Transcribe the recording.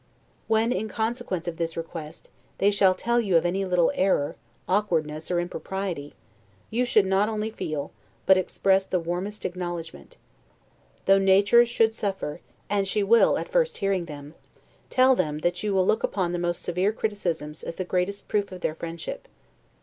When, in consequence of this request, they shall tell you of any little error, awkwardness, or impropriety, you should not only feel, but express the warmest acknowledgment. Though nature should suffer, and she will at first hearing them, tell them, that you will look upon the most severe criticisms as the greatest proof of their friendship.